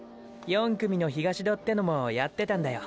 ４組の東戸ってのもやってたんだよ